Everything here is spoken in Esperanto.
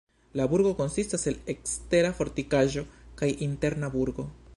La burgo konsistas el ekstera fortikaĵo kaj interna burgo.